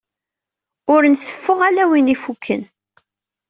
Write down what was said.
Ur nteffeɣ ala win ifukken.